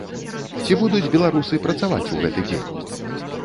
Ці будуць беларусы працаваць у гэты дзень?